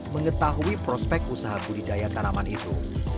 mengetahui prospek usaha budidaya tanaman itu